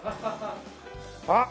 あっ！